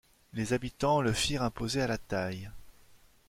Les habitants le firent imposer à la taille.